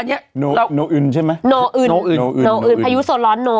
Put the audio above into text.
อันนี้โนอื่นใช่ไหมโนอื่นโนอื่นอื่นโนอื่นพายุโซร้อนโน